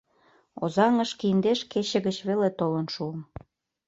Озаҥышке индеш кече гыч веле толын шуым.